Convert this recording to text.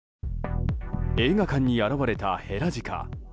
映画館に現れたヘラジカ。